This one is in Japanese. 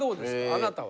あなたは。